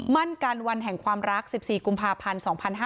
มั่นกันวันแห่งความรัก๑๔กุมภาพันธ์๒๕๕๙